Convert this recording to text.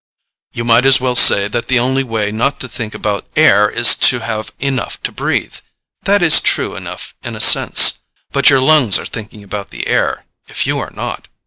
"You might as well say that the only way not to think about air is to have enough to breathe. That is true enough in a sense; but your lungs are thinking about the air, if you are not.